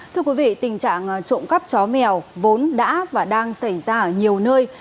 thưa quý vị tình trạng trộm cắp chó mèo vốn đã và đang xảy ra ở nhiều nơi